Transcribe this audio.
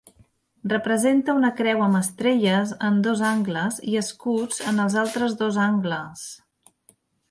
Representa una creu amb estrelles en dos angles i escuts en els altres dos angles.